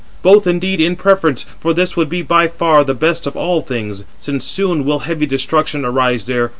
Both indeed in preference, for this would be by far the best of all things, since soon will heavy destruction arise there.